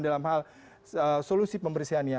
dalam hal solusi pembersihannya